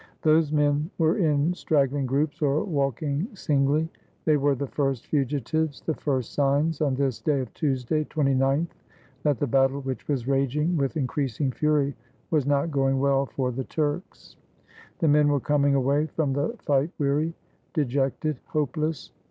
Those men were in straggling groups or walking singly. They were the first fugitives, the first signs, on this day of Tuesday, 29th, that the battle which was raging with increasing fury was not going well for the Turks, The men were coming away from the fight weary, de jected, hopeless.